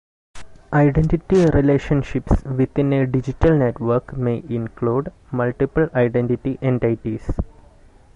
Identity relationships within a digital network may include multiple identity entities.